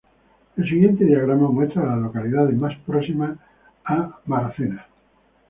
El siguiente diagrama muestra a las localidades más próximas a McGrath.